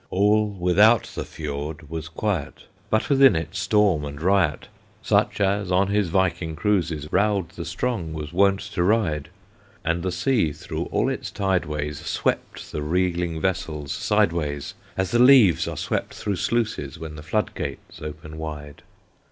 All without the Fiord was quiet, But within it storm and riot, Such as on his Viking cruises Raud the Strong was wont to ride. And the sea through all its tide ways Swept the reeling vessels sideways, As the leaves are swept through sluices, When the flood gates open wide.